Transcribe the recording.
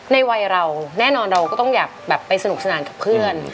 ในวัยเราแน่นอนเราก็ต้องอยากแบบไปสนุกสนานกับเพื่อน